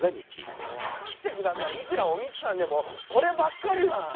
もう分かって下さいいくらおみつさんでもこればっかりは。